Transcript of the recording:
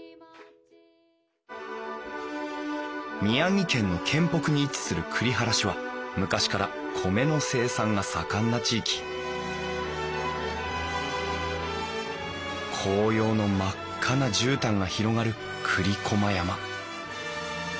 宮城県の県北に位置する栗原市は昔から米の生産が盛んな地域紅葉の真っ赤な絨毯が広がる栗駒山。